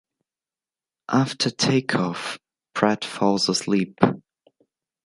After take-off, Pratt falls asleep.